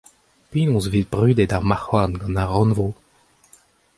Penaos e vez brudet ar marcʼh-houarn gant ar Rannvro ?